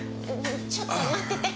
ちょっと待ってて。